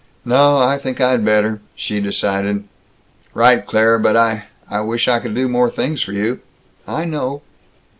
"No, I think I'd better," she decided. "Right, Claire, but I wish I could do more things for you." "I know!"